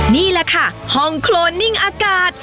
นี่แหละค่ะห้องโครนนิ่งอากาศ